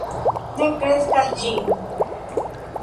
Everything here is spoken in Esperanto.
Ne kredas ĝin.